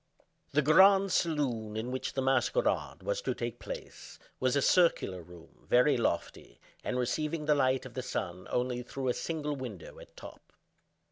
The grand saloon in which the masquerade was to take place, was a circular room, very lofty, and receiving the light of the sun only through a single window at top.